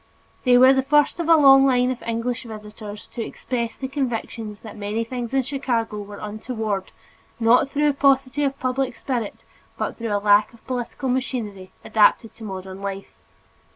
They were the first of a long line of English visitors to express the conviction that many things in Chicago were untoward not through paucity of public spirit but through a lack of political machinery adapted to modern city life.